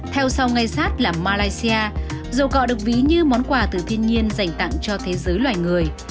theo sau ngay sát là malaysia dầu cọ được ví như món quà từ thiên nhiên dành tặng cho thế giới loài người